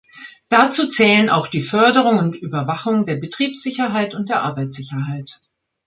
Dazu zählen auch die Förderung und Überwachung der Betriebssicherheit und der Arbeitssicherheit.